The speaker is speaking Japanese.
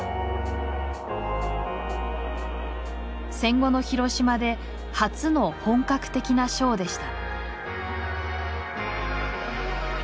戦後の広島で初の本格的なショーでした。